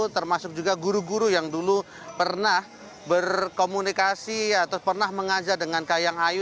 termasuk juga guru guru yang dulu pernah berkomunikasi atau pernah mengajar dengan kahiyang ayu